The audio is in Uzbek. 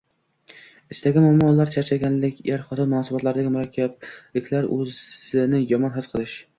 ishdagi muammolar, charchaganlik, er-xotin munosabatlaridagi murakkabliklar, o‘zini yomon his qilish.